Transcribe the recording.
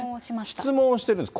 質問をしてるんです。